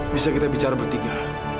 bisa kita bicara bertiga